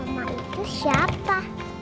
oma itu siapa